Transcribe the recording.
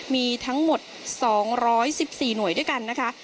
มีทั้งหมด๒๑๔หน่วยด้วยกันนะคะ